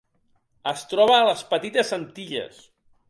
Es troba a les Petites Antilles.